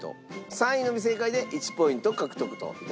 ３位のみ正解で１ポイント獲得といたします。